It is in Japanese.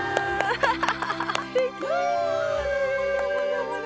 ハハハハ！